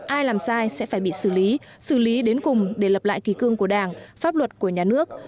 ai làm sai sẽ phải bị xử lý xử lý đến cùng để lập lại kỳ cương của đảng pháp luật của nhà nước